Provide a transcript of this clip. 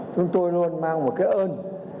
chúng tôi luôn mang một cái ơn